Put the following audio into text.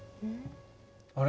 あれ？